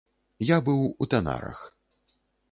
Я быў у тэнарах.